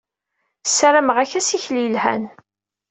Ssarameɣ-ak assikel yelhan.